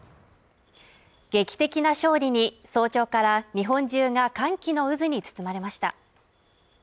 劇的な勝利に早朝から日本中が歓喜の渦に包まれました